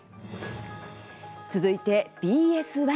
続いて、ＢＳ１。